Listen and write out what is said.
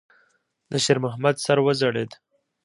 د شېرمحمد سر وځړېد.